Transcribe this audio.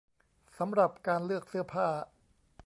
สำหรับการเลือกเสื้อผ้า